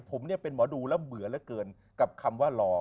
ผมเป็นหมอดูแล้วเหมือนเกินกับคำว่าลอ